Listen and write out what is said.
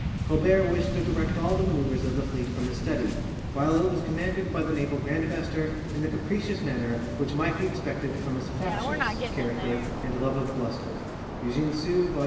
Colbert wished to direct all the manoeuvres of the fleet from his study, while it was commanded by the naval grandmaster in the capricious manner which might be expected from his factious character and love of bluster (Eugene Sue, vol.